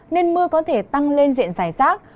nên mưa có thể tăng lên diện rải rác